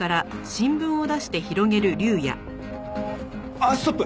あっストップ！